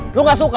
lu gak suka